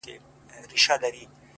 o ته به د خوب په جزيره كي گراني ؛